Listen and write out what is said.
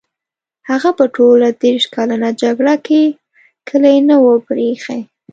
هغه په ټوله دېرش کلنه جګړه کې کلی نه وو پرې ایښی.